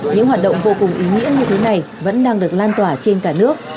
những hoạt động vô cùng ý nghĩa như thế này vẫn đang được lan tỏa trên cả nước